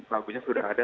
lagunya sudah ada